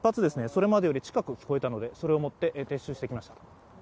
それまでより近く聞こえたので、それをもって撤収してきました。